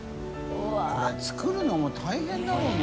これ作るのも大変だろうな。